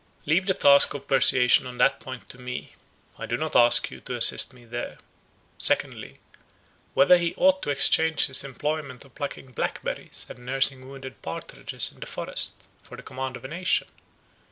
Leave the task of persuasion on that point to me; I do not ask you to assist me there. Secondly, Whether he ought to exchange his employment of plucking blackberries, and nursing wounded partridges in the forest, for the command of a nation?